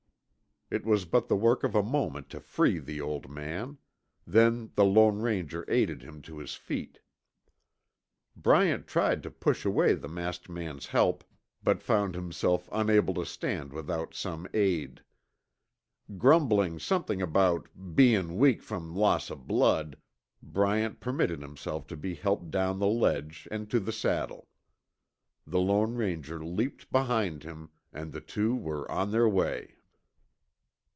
It was but the work of a moment to free the old man; then the Lone Ranger aided him to his feet. Bryant tried to push away the masked man's help, but found himself unable to stand without some aid. Grumbling something about "bein' weak from loss of blood," Bryant permitted himself to be helped down the ledge and to the saddle. The Lone Ranger leaped behind him, and the two were on their way.